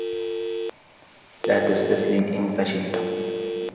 لا تستسلم إن فشلت.